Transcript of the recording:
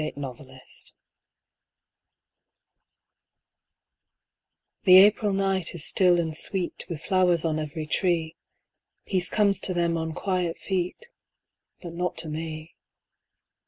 But Not to Me The April night is still and sweet With flowers on every tree; Peace comes to them on quiet feet, But not to me.